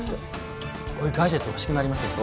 こういうガジェット欲しくなりますよね。